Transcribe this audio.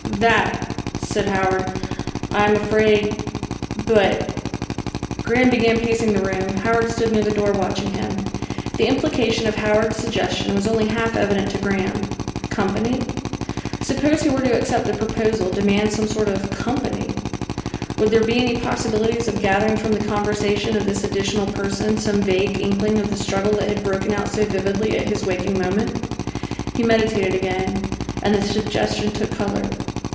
"That," said Howard, "I am afraid But " Graham began pacing the room. Howard stood near the door watching him. The implication of Howard's suggestion was only half evident to Graham. Company? Suppose he were to accept the proposal, demand some sort of company? Would there be any possibilities of gathering from the conversation of this additional person some vague inkling of the struggle that had broken out so vividly at his waking moment? He meditated again, and the suggestion took colour.